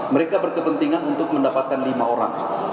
mereka berkepentingan untuk mendapatkan lima orang